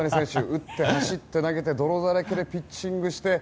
打って、走って、投げて泥だらけでピッチングして。